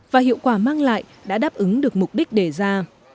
và hiệu quả mang lại đã đáp ứng được mục đích đề ra